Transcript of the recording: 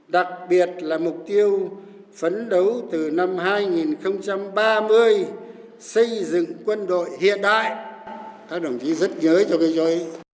đặc biệt là mục tiêu phấn đấu từ năm hai nghìn ba mươi xây dựng quân đội hiện đại